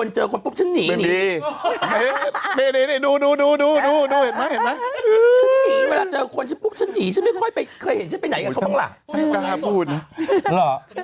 ฉันหนีเวลาเจอคนฉันพุกฉันนี่ฉันไม่ค่อยเห็นฉันไปไหนกันอยู่ตรงหลัง